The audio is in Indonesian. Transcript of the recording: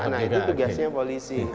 nah itu tugasnya polisi